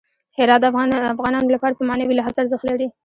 هرات د افغانانو لپاره په معنوي لحاظ ارزښت لري.